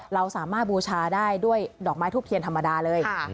เราสามารถบูชาได้ด้วยดอกไม้ทูบเทียนธรรมดาเลย